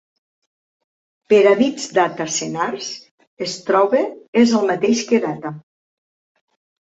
Per a bits Data senars, Strobe és el mateix que Data.